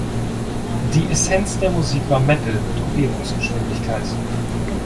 Die Essenz der Musik war Metal mit Umgebungsgeschwindigkeit.